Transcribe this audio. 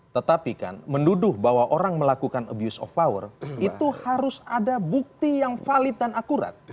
tetapi kan menduduh bahwa orang melakukan abuse of power itu harus ada bukti yang valid dan akurat